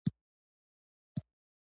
هغه په شاوخوا کې تېر شوی دی.